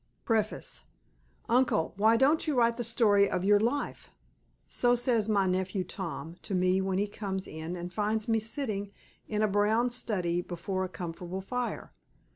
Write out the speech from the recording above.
A Preface "Uncle, why don't you write the story of your life?" So says my nephew Tom to me when he comes in and finds me sitting in a brown study before a comfortable fire.